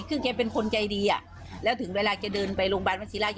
คือแกเป็นคนใจดีอ่ะแล้วถึงเวลาแกเดินไปโรงพยาบาลวัศิราช